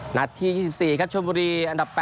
หนัฐี๒๔ครับชลบุรี